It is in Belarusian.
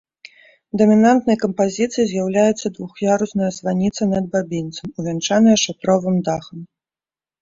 Дамінантай кампазіцыі з'яўляецца двух'ярусная званіца над бабінцам, увянчаная шатровым дахам.